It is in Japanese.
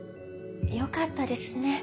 よかったですね。